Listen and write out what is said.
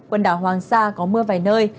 quần đảo hoàng sa có mưa vài nơi